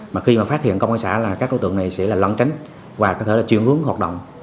mà khi mà phát hiện công an xã là các đối tượng này sẽ là lặng tránh và có thể là chuyển hướng hoạt động